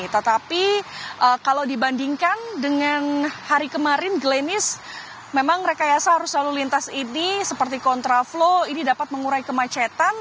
tetapi kalau dibandingkan dengan hari kemarin glenis memang rekayasa arus lalu lintas ini seperti kontraflow ini dapat mengurai kemacetan